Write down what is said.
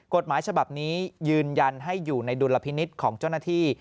กฎหมายฉบับนี้ยืนยันให้อยู่ในดุลพินิษฐ์ของเจ้าหน้าที่